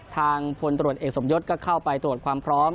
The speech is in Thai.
ทางพลตรวจเอกสมยศก็เข้าไปตรวจความพร้อม